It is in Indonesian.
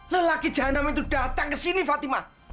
lelaki jahat namanya itu datang ke sini fatima